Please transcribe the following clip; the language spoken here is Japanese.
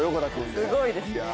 すごいですね。